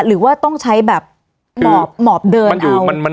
หรือว่าต้องใช้แบบหมอบเดินเอา